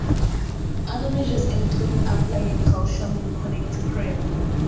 Other measures include applying calcium gluconate cream.